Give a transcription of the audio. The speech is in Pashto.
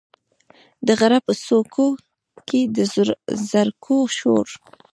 د غره په څوکو کې، د زرکو شور،